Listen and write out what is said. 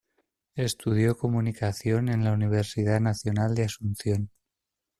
Estudió Comunicación en la Universidad Nacional de Asunción.